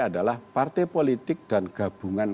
adalah partai politik dan gabungan